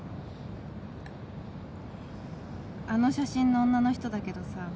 あの写真の女の人だけどさ。